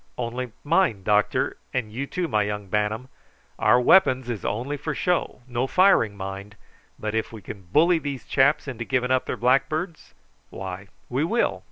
Only mind, doctor, and you too, my young bantam, our weapons is only for show. No firing, mind; but if we can bully those chaps into giving up their blackbirds, why we will."